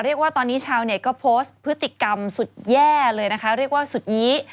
เรียกว่าตอนนี้ชาวเน็ตก็โพสต์พฤติกรรมสุดแย่เลยนะคะเรียกว่าสุดยี